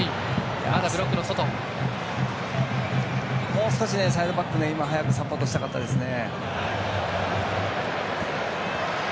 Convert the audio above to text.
もう少しサイドバックが早くサポートしたかったですね。